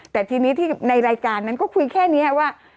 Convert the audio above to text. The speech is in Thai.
แต่ทีนี้ที่ในรายการนั้นก็คุยแค่นี้ว่า